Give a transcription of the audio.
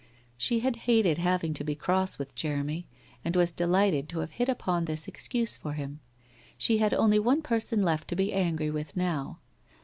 She had hated having to be cross with Jeremy and was delighted to have hit upon this excuse for him. She had only one person left to be angry with now.